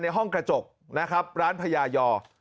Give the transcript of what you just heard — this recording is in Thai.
ห้องกระจกนะครับร้านพญายอ